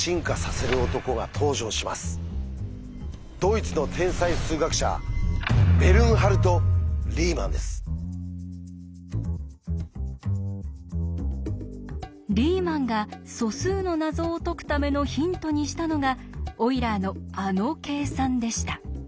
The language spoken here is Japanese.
ドイツの天才数学者リーマンが素数の謎を解くためのヒントにしたのがオイラーのあの計算でした。